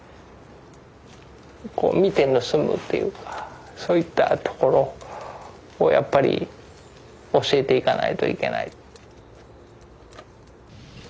こう見て盗むっていうかそういったところをやっぱり教えていかないといけない。